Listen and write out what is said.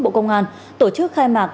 bộ công an tổ chức khai mạc